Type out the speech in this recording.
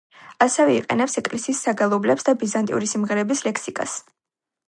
ასევე იყენებს ეკლესიის საგალობლებს და ბიზანტიური სიმღერების ლექსიკას.